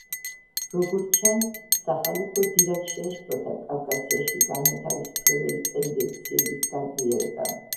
როგორც ჩანს, სახალიფო დიდად შეაშფოთა კავკასიაში განმათავისუფლებელი ტენდენციების გაძლიერებამ.